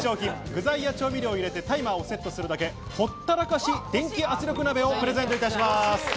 具材や調味料を入れてタイマーをセットするだけ、ほったらかし電気圧力鍋をプレゼントいたします。